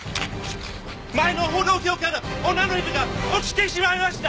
前の歩道橋から女の人が落ちてしまいました！